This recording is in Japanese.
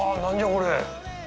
これ。